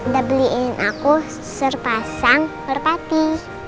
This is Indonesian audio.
udah beliin aku serpasang merpati